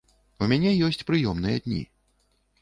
У мяне ёсць прыёмныя дні.